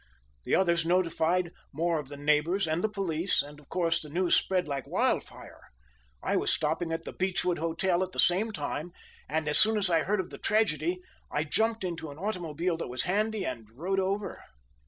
The others notified more of the neighbors and the police, and of course, the news spread like wildfire. I was stopping at the Beechwood Hotel at the time and as soon as I heard of the tragedy, I jumped into an automobile that was handy and rode over."